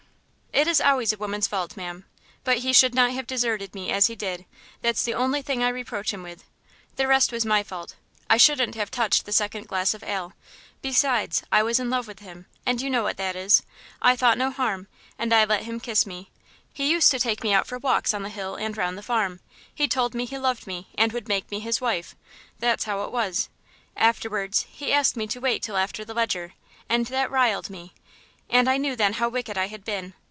"It is always a woman's fault, ma'am. But he should not have deserted me as he did, that's the only thing I reproach him with, the rest was my fault I shouldn't have touched the second glass of ale. Besides, I was in love with him, and you know what that is. I thought no harm, and I let him kiss me. He used to take me out for walks on the hill and round the farm. He told me he loved me, and would make me his wife that's how it was. Afterwards he asked me to wait till after the Leger, and that riled me, and I knew then how wicked I had been.